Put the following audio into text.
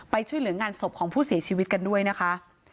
ช่วยเหลืองานศพของผู้เสียชีวิตกันด้วยนะคะ